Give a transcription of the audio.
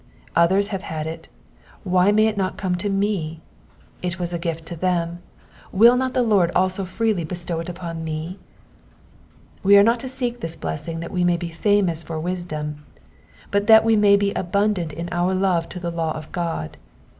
Others have had it, why may it not come to mef It was a gift to them ; will not the Lord also freely bestow it upon msf We are not to seek this blessing that we may be famous for wisdom, but that we may be abundant in our love to the law of God.